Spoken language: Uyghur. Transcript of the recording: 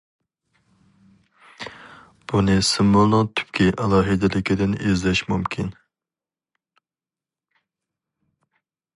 بۇنى سىمۋولنىڭ تۈپكى ئالاھىدىلىكىدىن ئىزدەش مۇمكىن.